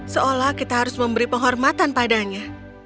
seolah kita harus memberi penghormatan padanya